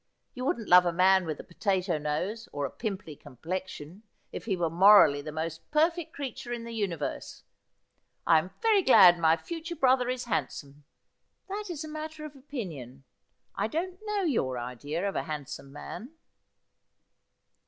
You wouldn't love a man with a potato nose or a pimply complexion, if he were morally the most perfect creature in the universe. I am very glad my future brother is handsome.' ' That is a matter of opinion — I don't know your idea of a handsome man.'